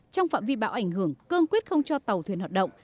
trong phạm vi bão ảnh hưởng cương quyết không cho tàu thuyền hoạt động